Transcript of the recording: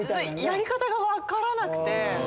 やり方が分からなくて。